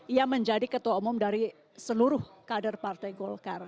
ia menjadi ketua umum dari seluruh kader partai golkar